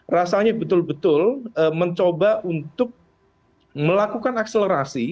rasanya betul betul mencoba untuk melakukan akselerasi